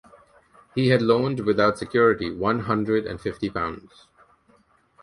He had loaned without security one hundred and fifty pounds.